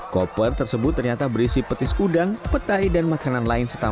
koper tersebut ternyata berisi petis udang petai dan makanan lain